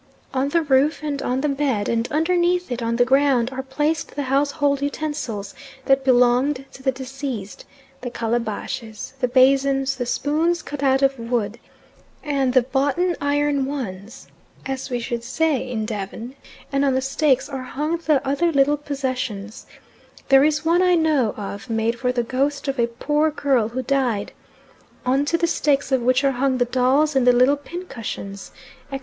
On the roof and on the bed, and underneath it on the ground, are placed the household utensils that belonged to the deceased; the calabashes, the basins, the spoons cut out of wood, and the boughten iron ones, as we should say in Devon, and on the stakes are hung the other little possessions; there is one I know of made for the ghost of a poor girl who died, on to the stakes of which are hung the dolls and the little pincushions, etc.